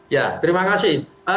ya terima kasih